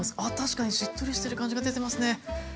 あっ確かにしっとりしてる感じが出てますね。